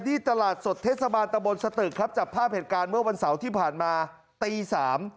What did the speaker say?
ที่ตลาดสดเทศบาลตะบนสตึกครับจับภาพเหตุการณ์เมื่อวันเสาร์ที่ผ่านมาตีสาม